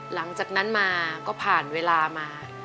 หลังจากนั้นมาก็ผ่านเวลามา